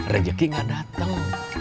rezeki gak dateng